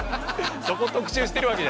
そこを特集してるわけじゃない。